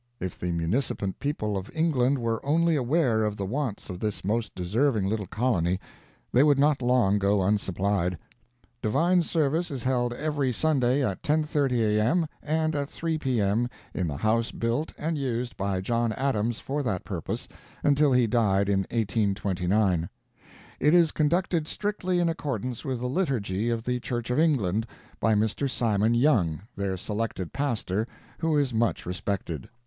If the munificent people of England were only aware of the wants of this most deserving little colony, they would not long go unsupplied.... Divine service is held every Sunday at 10.30 A.M. and at 3 P.M., in the house built and used by John Adams for that purpose until he died in 1829. It is conducted strictly in accordance with the liturgy of the Church of England, by Mr. Simon Young, their selected pastor, who is much respected.